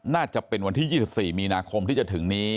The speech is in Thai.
น่าจะเป็นวันที่๒๔มีนาคมที่จะถึงนี้